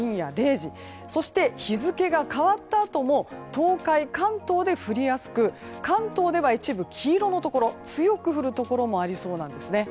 日付が変わったあとも東海、関東で降りやすく関東では一部黄色のところ強く降るところがありそうなんですね。